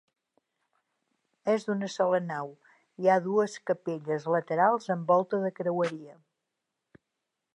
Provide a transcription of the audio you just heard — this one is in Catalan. És d'una sola nau, hi ha dues capelles laterals amb volta de creueria.